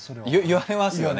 言われますよね？